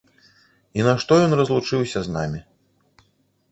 І нашто ён разлучыўся з намі?